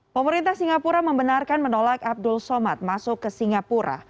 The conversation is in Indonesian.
pemerintah singapura membenarkan menolak abdul somad masuk ke singapura